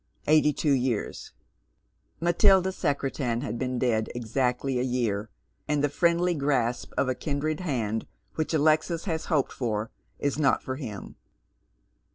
Will Fortune never come f " 168 Matilda Secretan has been dead exactly a year, and the friendly gnasp of a kindred hand wliich Alexis has hoped for is not for him.